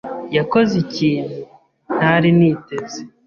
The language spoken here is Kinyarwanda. yakoze ikintu ntari niteze.